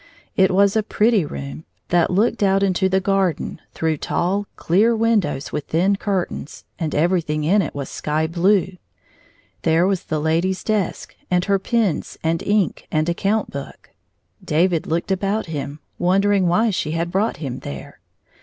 It was a pretty room, that looked out into the gar den through tall clear windows with thin curtains, and everything in it was sky blue. There was the lady's desk and her pens and ink and account book. David looked about him, wondering why she had brought him there.